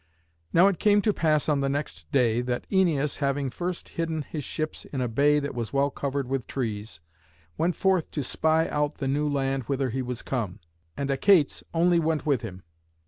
Now it came to pass on the next day that Æneas, having first hidden his ships in a bay that was well covered with trees, went forth to spy out the new land whither he was come, and Achates only went with him.